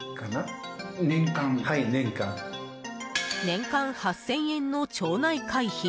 年間８０００円の町内会費。